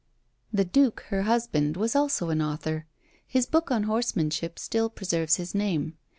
The duke, her husband, was also an author; his book on horsemanship still preserves his name.